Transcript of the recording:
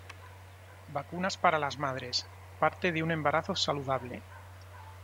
Vacunas para las madres: Parte de un embarazo saludable